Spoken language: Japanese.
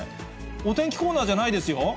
お天気コーナーじゃないですよ。